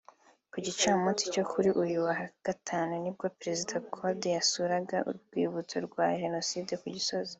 Ku gicamunsi cyo kuri uyu wa Gatanu nibwo Perezida Condé yasuraga urwibutso rwa Jenoside ku Gisozi